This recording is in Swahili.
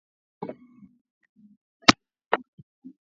Jamhuri ya Afrika ya kati imeharibiwa na vita vya wenyewe kwa wenyewe